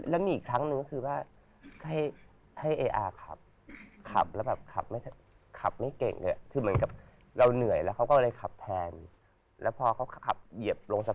แล้วมีอีกครั้งหนึ่งก็คือ